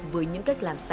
với những cách làm sáng tạo